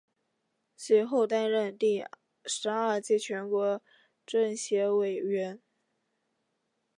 随后担任第十二届全国政协委员。